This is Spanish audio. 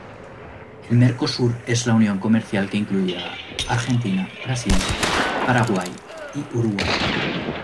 El Mercosur, es la unión comercial que incluye a Argentina, Brasil, Paraguay y Uruguay.